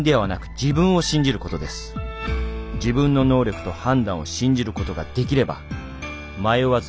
自分の能力と判断を信じることができれば迷わず行動できるはずです」。